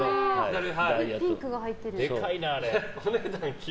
ピンクが入っているやつ。